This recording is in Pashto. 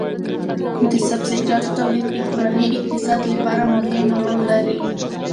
د سبزیجاتو تولید د کورني اقتصاد لپاره مهم رول لري.